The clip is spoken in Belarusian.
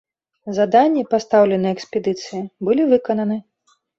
Заданні, пастаўленыя экспедыцыі, былі выкананы.